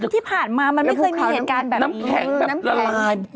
ที่ผ่านมามันไม่เคยมีเหตุการณ์แบบนี้